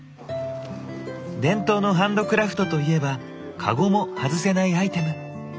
伝統のハンドクラフトといえばカゴも外せないアイテム。